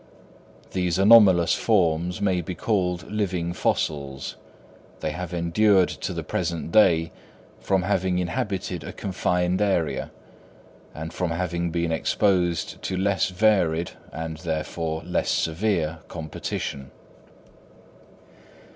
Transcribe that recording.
These anomalous forms may be called living fossils; they have endured to the present day, from having inhabited a confined area, and from having been exposed to less varied, and therefore less severe, competition.